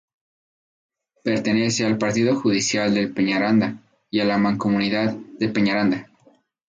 Pertenece al partido judicial de Peñaranda y a la Mancomunidad de Peñaranda.